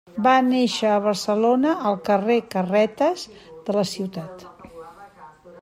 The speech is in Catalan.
Va néixer a Barcelona, al carrer Carretes de la ciutat.